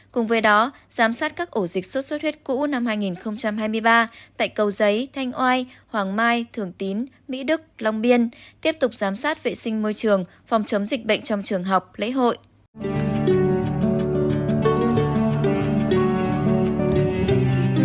cùng với đó giám sát các ổ dịch sốt xuất huyết cũ năm hai nghìn hai mươi ba tại cầu giấy thanh oai hoàng mai thường tín mỹ đức long biên tiếp tục giám sát vệ sinh môi trường phòng chống dịch bệnh trong trường học lễ hội